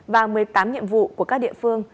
và một mươi tám nhiệm vụ của các địa phương